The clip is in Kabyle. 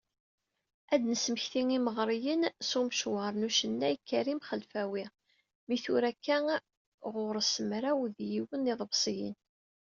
Ad d-nesmekti imeɣriyen s umecwar n ucennay Karim Xelfawi, mi tura akka ɣur-s mraw d yiwen n yiḍebsiyen.